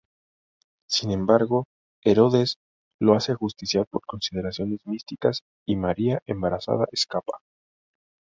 Sin embargo, Herodes lo hace ajusticiar por consideraciones místicas y María, embarazada, escapa.